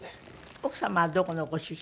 奥様はどこのご出身？